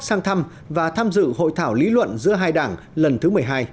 sang thăm và tham dự hội thảo lý luận giữa hai đảng lần thứ một mươi hai